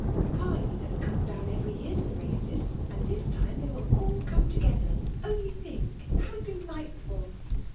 'Pkpa« yoa Icnow,' comes down every year to the races,' and diis time they will all come together — only think, how delightfbl